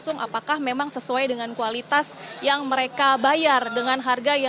semoga semangat selalu ya bang